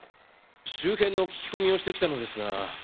周辺の聞き込みをしてきたのですが。